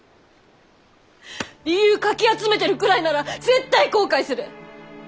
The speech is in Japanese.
理由かき集めてるくらいなら絶対後悔する！